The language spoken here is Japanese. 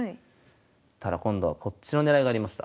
ただ今度はこっちのねらいがありました。